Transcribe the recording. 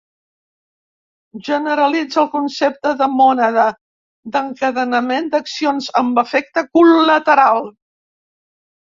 Generalitza el concepte de Mònada, d'encadenament d'accions amb efecte col·lateral.